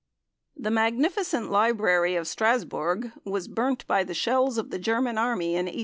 The magnificent library of Strasbourg was burnt by the shells of the German Army in 1870.